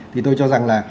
thì tôi cho rằng là